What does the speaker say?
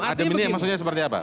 tajam ini maksudnya seperti apa